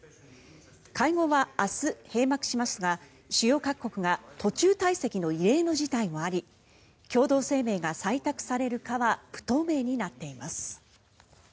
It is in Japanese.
会合は明日、閉幕しますが主要各国が途中退席の異例の事態もあり共同声明が採択されるかは不透明となっています。